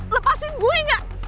lepasin gue enggak